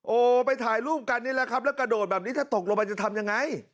โอ้ไปถ่ายรูปกันนี้ล่ะครับแล้วกระโดดแบบนี้จะถกลงไปทำอย่างไร